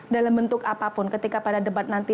dalam bentuk apapun ketika pada debat nanti